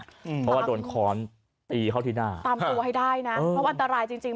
เพราะว่าโดนค้อนตีเข้าที่หน้าตามตัวให้ได้นะเพราะอันตรายจริงจริง